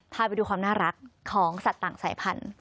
พาไปดูความน่ารักของสัตว์ต่างสายพันธุ์